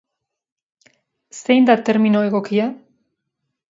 Zein da termino egokia?